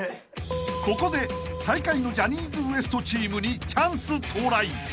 ［ここで最下位のジャニーズＷＥＳＴチームにチャンス到来］